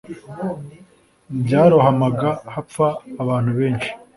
bwarohamaga hapfa abantu benshi,